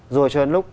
rồi cho đến lúc